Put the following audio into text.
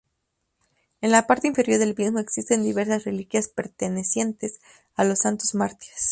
En la parte inferior del mismo existen diversas reliquias pertenecientes a los santos mártires.